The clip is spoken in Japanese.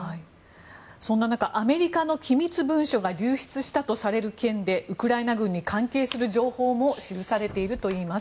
そんな中アメリカの機密文書が流出したとされる件でウクライナ軍に関係する情報も記されているといいます。